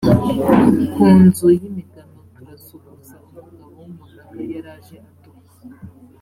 ku nzu y imigano turasuhuza umugabo w umunaga yaraje aduha